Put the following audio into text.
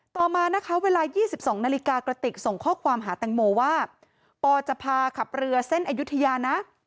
ต่อมานะคะเวลา๒๒นาฬิกากระติกส่งข้อความหาแตงโมว่าปอจะพาขับเรือเส้นอายุทยานะ